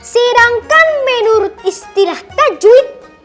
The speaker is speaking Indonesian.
sedangkan menurut istilah tajwid